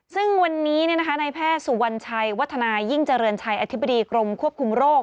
ซึ่งวันนี้นายแพทย์สุวรรณชัยวัฒนายิ่งเจริญชัยอธิบดีกรมควบคุมโรค